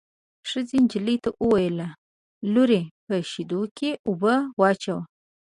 ښځې نجلۍ ته وویل: لورې په شېدو کې اوبه واچوه.